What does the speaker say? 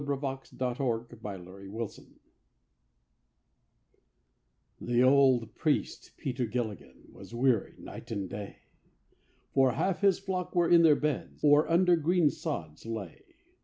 THE BALLAD OF FATHER GILLIGAN The old priest Peter Gilligan Was weary night and day; For half his flock were in their beds, Or under green sods lay.